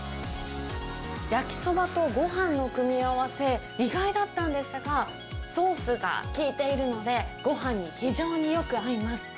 焼きそばとごはんの組み合わせ、意外だったんですが、ソースが効いているので、ごはんに非常によく合います。